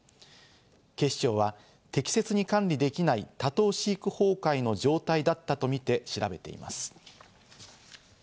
警視庁は適切に管理できない、多頭飼育崩壊の状態だったとみて調べています。